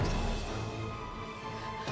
aku harus gerak ke iko